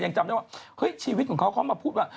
ยังจำได้ว่าเฮ้ยชีวิตของเขาเขามาพูดว่า